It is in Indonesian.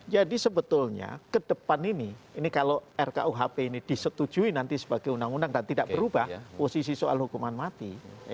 jadi sebetulnya ke depan ini ini kalau rkuhp ini disetujui nanti sebagai undang undang dan tidak berubah posisi soal hukuman mati